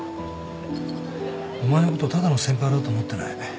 お前のことただの先輩だと思ってない。